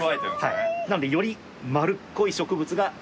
なのでより丸っこい植物がいい。